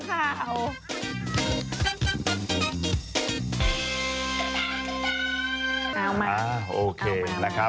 ไม่รู้อาจจะตามข่าว